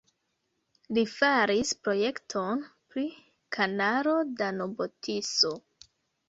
Li faris projekton pri kanalo Danubo-Tiso.